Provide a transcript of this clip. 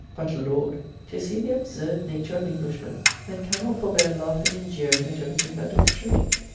But Lord! to see the absurd nature of Englishmen, that cannot forbear laughing and jeering at every thing that looks strange.